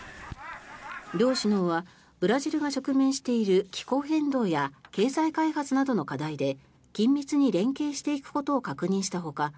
両首脳はブラジルが直面している気候変動や経済開発などの課題で緊密に連携していくことを確認したほか